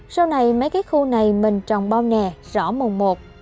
sau này mấy cái khu này mình trồng bao nè rõ mồm một